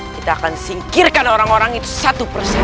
kita akan singkirkan orang orang itu satu persen